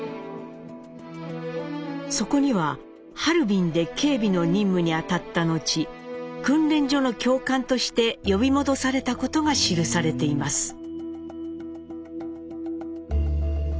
そこにはハルビンで警備の任務に当たった後訓練所の教官として呼び戻されたことが記されています。